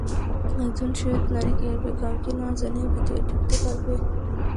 একজন শ্বেত নারী কিভাবে কাউকে না জানিয়ে ভিতরে ঢুকতে পারবে?